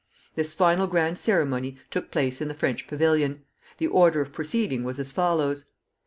This final grand ceremony took place in the French pavilion. The order of proceeding was as follows.